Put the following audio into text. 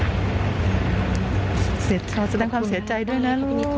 เสร็จโทรศาสตร์แล้วขอเสียใจด้วยนะ